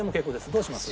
どうします？